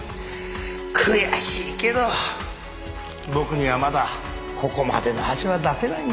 悔しいけど僕にはまだここまでの味は出せないんですよ。